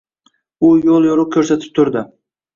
U yo‘l-yo‘riq ko‘rsatib turdi.